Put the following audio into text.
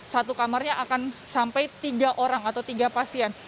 satu kamarnya akan sampai tiga orang atau tiga pasien